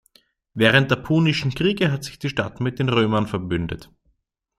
Während der Punischen Kriege hat sich die Stadt mit den Römern verbündet.